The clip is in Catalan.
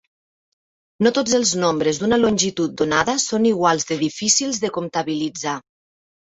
No tots els nombres d'una longitud donada són igual de difícils de comptabilitzar.